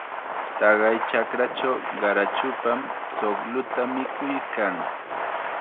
Taqay chakrachaw qarachupam chuqlluta mikuykan.